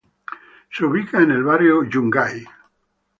Se ubica en el Barrio Yungay.